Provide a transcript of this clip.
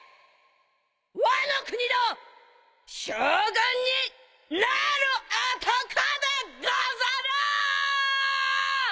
ワノ国の将軍になる男でござる！